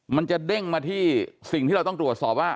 มันจะเด้งมาที่สิ่งที่เราต้องตรวจสอบว่า